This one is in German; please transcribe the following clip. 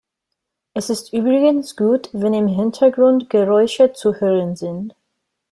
Es ist übrigens gut, wenn im Hintergrund Geräusche zu hören sind.